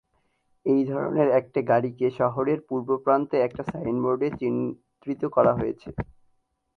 এই ধরনের একটা গাড়িকে শহরের পূর্ব প্রান্তে একটা সাইনবোর্ডে চিত্রিত করা হয়েছে।